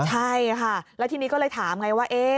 ใช่ค่ะแล้วทีนี้ก็เลยถามไงว่า